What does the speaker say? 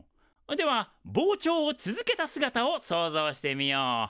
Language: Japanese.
では膨張を続けた姿を想像してみよう。